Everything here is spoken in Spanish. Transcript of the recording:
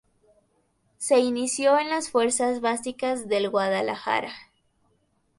Se inició en las fuerzas básicas del Guadalajara.